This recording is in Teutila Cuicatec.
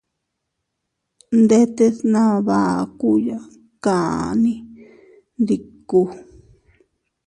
Ndetes nabakuyan kanni ndiku.